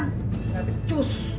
gak ada cus